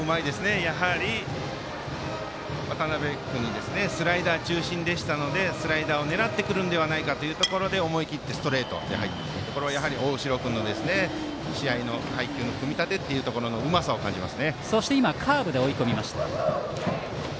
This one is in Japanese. やはり渡邉君にスライダー中心でしたのでスライダーを狙ってくるのではないかというところで思い切ってストレートで入ってくるところを大城君の試合の配球の組み立てのうまさを感じます。